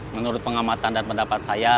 menurut pengamatan dan pendapat saya